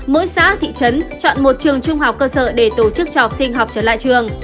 mỗi xã thị trấn chọn một trường trung học cơ sở để tổ chức cho học sinh học trở lại trường